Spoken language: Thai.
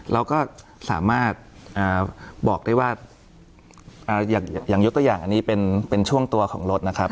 เราก็สามารถบอกได้ว่าอย่างยกตัวอย่างอันนี้เป็นช่วงตัวของรถนะครับ